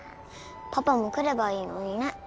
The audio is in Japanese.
パパも来ればいいのにね。